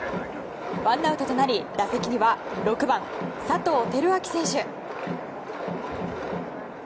ワンアウトとなり打席には６番、佐藤輝明選手。